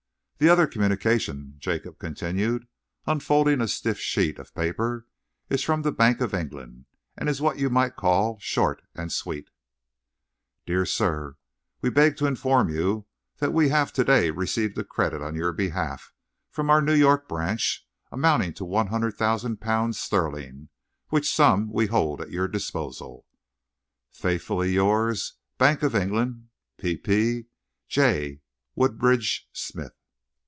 "The other communication," Jacob continued, unfolding a stiff sheet of paper, "is from the Bank of England, and it is what you might call short and sweet:" Dear Sir, We beg to inform you that we have to day received a credit on your behalf, from our New York branch, amounting to one hundred thousand pounds sterling, which sum we hold at your disposal. Faithfully yours, BANK OF ENGLAND. p. p. J. Woodridge Smith.